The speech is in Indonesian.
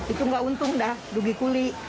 itu nggak untung dah rugi kuli